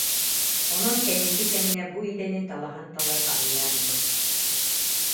Онон кэнники кэмҥэ бу идэни талаһан талар аҕыйаан иһэр